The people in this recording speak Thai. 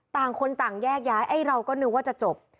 ต่างคนต่างแยกย้ายไอ้เราก็นึกว่าจะจบ